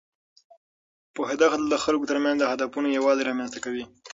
پوهېدل د خلکو ترمنځ د هدفونو یووالی رامینځته کوي.